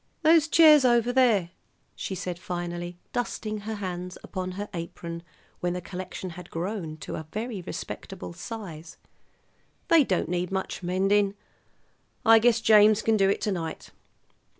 "Those chairs over there," she said finally, dusting her hands upon her apron when the collection had grown to a very respectable size, "they don't need much mending; I guess James can do it to night.